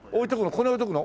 ここに置いとくの？